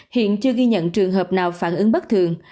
hiện chưa ghi nhận trường hợp nào phản ứng bất thường